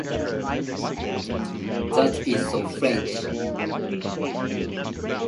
That is so French.